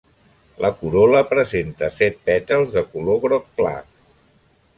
La corol·la presenta set pètals de color groc clar.